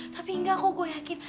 tapi enggak kok gue yakin